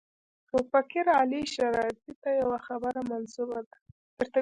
مفکر علي شریعیتي ته یوه خبره منسوبه ده.